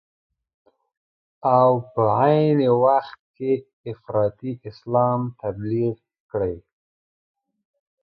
او په عین وخت کې افراطي اسلام تبلیغ کړي.